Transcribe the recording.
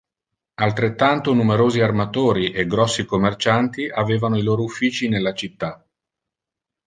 Altrettanto numerosi armatori e grossi commercianti avevano i loro uffici nella città.